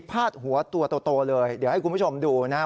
พาดหัวตัวโตเลยเดี๋ยวให้คุณผู้ชมดูนะครับ